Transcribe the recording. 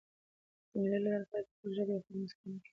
د مېلو له لاري خلک د خپلي ژبي او فرهنګ ساتنه کوي.